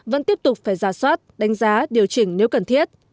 vẫn tiếp tục phải ra soát đánh giá điều chỉnh nếu cần thiết